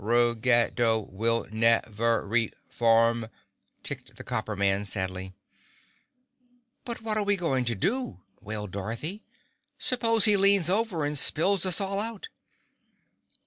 "Rug ge do will nev er re form," ticked the Copper Man sadly. "But what are we going to do?" wailed Dorothy. "Suppose he leans over and spills us all out?"